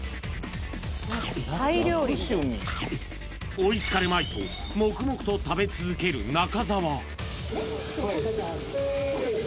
追いつかれまいと黙々と食べ続ける中澤